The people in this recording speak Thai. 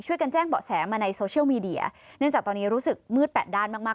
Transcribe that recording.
แจ้งเบาะแสมาในโซเชียลมีเดียเนื่องจากตอนนี้รู้สึกมืดแปดด้านมากมาก